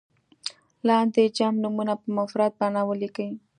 لاندې جمع نومونه په مفرد بڼه ولیکئ.